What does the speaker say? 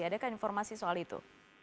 adakah informasi soal itu